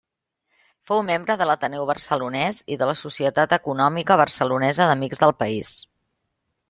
Fou membre de l'Ateneu Barcelonès i de la Societat Econòmica Barcelonesa d'Amics del País.